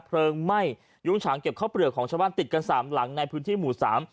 เพลิงไหม้ยุ้งฉางเก็บข้าวเปลือกของชาวบ้านติดกันสามหลังในพื้นที่หมู่สาม